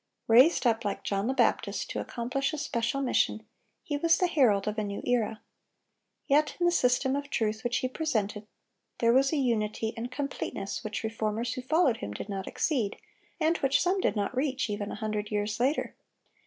Raised up like John the Baptist to accomplish a special mission, he was the herald of a new era. Yet in the system of truth which he presented there was a unity and completeness which Reformers who followed him did not exceed, and which some did not reach, even a hundred years later.